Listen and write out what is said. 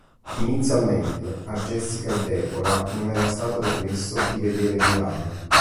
Inizialmente, a Jessica e Deborah non era stato permesso di vedere Diana.